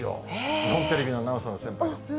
日本テレビのアナウンサーの先輩です。